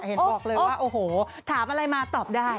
เห็นบอกเลยว่าโอ้โหถามอะไรมาตอบได้